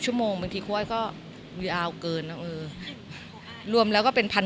บางทีกล้วยก็ยาวเกินนะเออรวมแล้วก็เป็นพัน